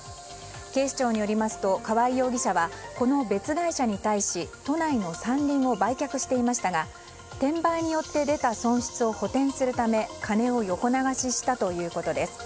警視庁によりますと河合容疑者はこの別会社に対し都内の山林を売却していましたが転売によって出た損失を補填するため金を横流ししたということです。